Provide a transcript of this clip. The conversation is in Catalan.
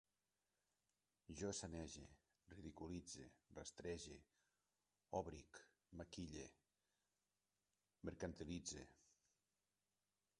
Jo sanege, ridiculitze, rastrege, òbric, maquille, mercantilitze